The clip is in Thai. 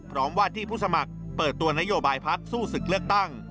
ว่าที่ผู้สมัครเปิดตัวนโยบายพักสู้ศึกเลือกตั้ง